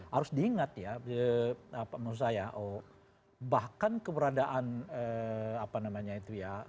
harus diingat ya menurut saya bahkan keberadaan apa namanya itu ya